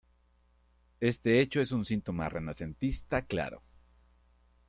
Este hecho es un síntoma renacentista claro.